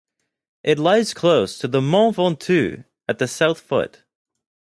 It lies close to the Mont Ventoux, at the south foot.